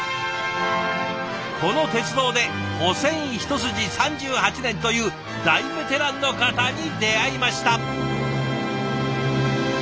この鉄道で保線一筋３８年という大ベテランの方に出会いました。